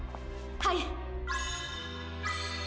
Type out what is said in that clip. はい！